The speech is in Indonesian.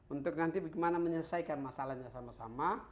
untuk nanti bagaimana menyelesaikan masalahnya sama sama